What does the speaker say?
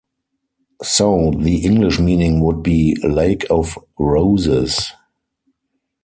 So the English meaning would be "lake of roses".